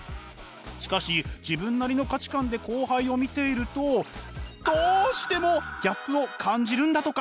しかし自分なりの価値観で後輩を見ているとどうしてもギャップを感じるんだとか。